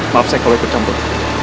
maaf saya kalau ikut campur